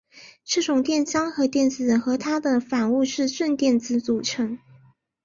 这种电浆由电子和它的反物质正电子组成。